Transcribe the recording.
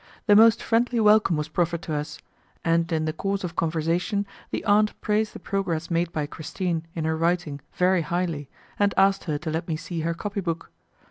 The most friendly welcome was proffered to us, and in the course of conversation the aunt praised the progress made by Christine in her writing very highly, and asked her to let me see her copy book.